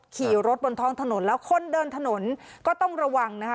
ขี่รถบนท้องถนนแล้วคนเดินถนนก็ต้องระวังนะคะ